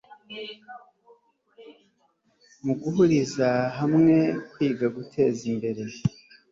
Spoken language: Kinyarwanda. mu guhuriza hamwe kwiga guteza imbere